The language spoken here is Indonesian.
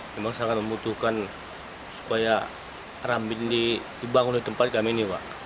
memang sangat membutuhkan supaya rambin dibangun di tempat kami ini pak